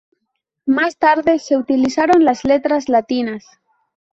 Más tarde, se utilizaron las letras latinas.